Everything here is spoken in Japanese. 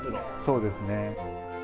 そうですね。